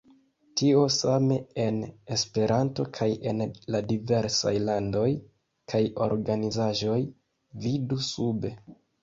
Tio same en Esperanto kaj en la diversaj landoj kaj organizaĵoj, vidu sube.